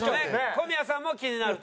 小宮さんも気になると。